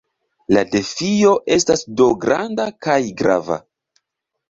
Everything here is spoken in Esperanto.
La defio estas do granda kaj grava.